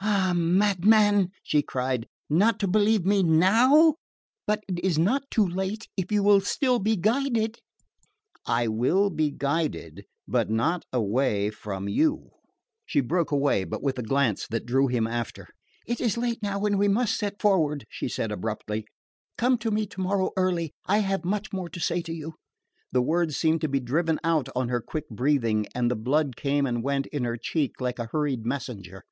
"Ah, madman," she cried, "not to believe me NOW! But it is not too late if you will still be guided." "I will be guided but not away from you." She broke away, but with a glance that drew him after. "It is late now and we must set forward," she said abruptly. "Come to me tomorrow early. I have much more to say to you." The words seemed to be driven out on her quick breathing, and the blood came and went in her cheek like a hurried messenger.